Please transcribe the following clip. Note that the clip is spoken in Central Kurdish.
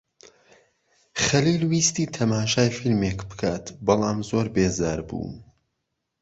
خەلیل ویستی تەماشای فیلمێک بکات بەڵام زۆر بێزار بوو.